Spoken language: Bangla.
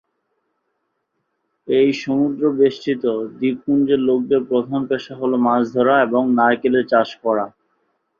এই সমুদ্র বেষ্টিত দ্বীপপুঞ্জের লোকদের প্রধান পেশা হল মাছ ধরা এবং নারকেলের চাষ করা।